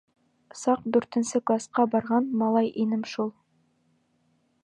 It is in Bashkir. Саҡ дүртенсе класҡа барған малай инем шул.